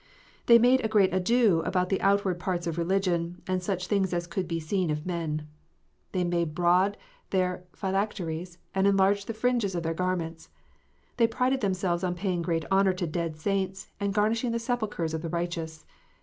They made a great ado about the outward parts of religion, and such things as could be seen of men. They made broad their phylacteries, and enlarged the fringes of their garments. They prided themselves on paying great honour to dead saints, and garnishing the sepulchres of the righteous.